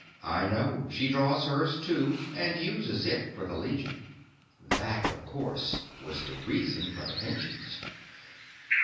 "I know. She draws hers, too, and uses it for the Legion." _That, of course, was the reason for the pensions.